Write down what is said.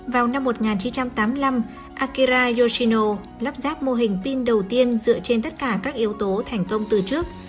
vào năm một nghìn chín trăm tám mươi năm akira yoshino lắp ráp mô hình pin đầu tiên dựa trên tất cả các yếu tố thành công từ trước